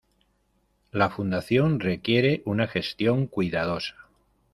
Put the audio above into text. La fundación requiere una gestión cuidadosa.